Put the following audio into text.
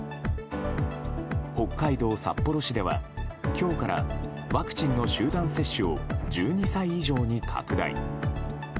北海道札幌市では、今日からワクチンの集団接種を１２歳以上に拡大。